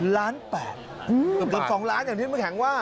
ล้านแปดอืมเกี่ยวกับสองล้านอย่างที่เสอมแข็งว่า